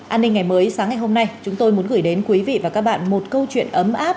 an ninh ngày mới sáng ngày hôm nay chúng tôi muốn gửi đến quý vị và các bạn một câu chuyện ấm áp